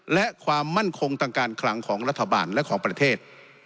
และความมั่นคงทางการคลังของรัฐบาลและของประเทศ